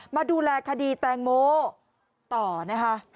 มาดูแลคดีแตงโมต่อนะคะ